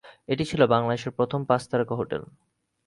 এটি ছিল বাংলাদেশের প্রথম পাঁচ তারকা হোটেল।